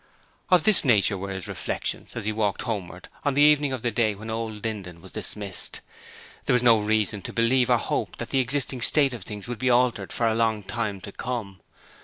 Of this nature were his reflections as he walked homewards on the evening of the day when old Linden was dismissed. There was no reason to believe or hope that the existing state of things would be altered for a long time to come.